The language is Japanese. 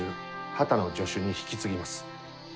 波多野助手に引き継ぎます。